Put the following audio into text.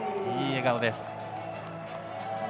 いい笑顔です。